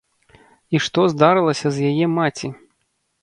І што здарылася з яе маці?